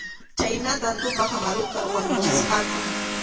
Chhaynatam Tupa Amaruta wañuchisqaku.